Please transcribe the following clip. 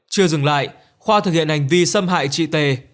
chưa dừng lại khoa thực hiện hành vi xâm hại chị t